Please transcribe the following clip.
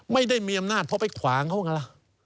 ไม่ได้มีอำนาจเพราะไปขวางเขาไงล่ะ